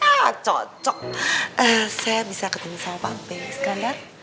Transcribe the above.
ah cocok saya bisa ketemu sama pak b iskandar